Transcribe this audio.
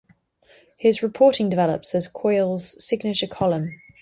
His reporting develops as Quoyle's signature column.